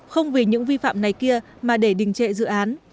không vì những vi phạm này kia mà để đình trệ dự án